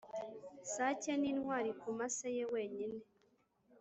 sake ni intwari kumase ye wenyine.